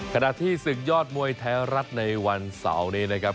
ขณะที่ศึกยอดมวยไทยรัฐในวันเสาร์นี้นะครับ